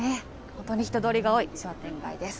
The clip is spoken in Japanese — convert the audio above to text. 本当に人通りが多い商店街です。